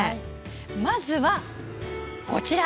まずは、こちら！